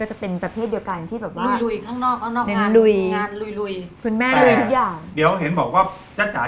ก็จะเป็นประเภทเดียวกันที่แบบว่า